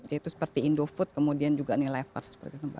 yaitu seperti indofood kemudian juga nilefars